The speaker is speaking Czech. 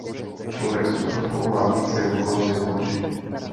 Člověk s cukrovkou má více glukózy v moči.